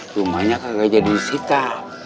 rumahnya gak jadi disita